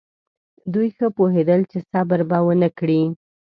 دوی ښه پوهېدل چې صبر به ونه کړي.